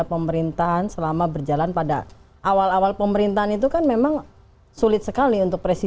pemerintahan selama berjalan pada awal awal pemerintahan itu kan memang sulit sekali untuk presiden